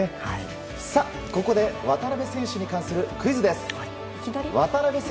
ここで渡邊選手に関するクイズです。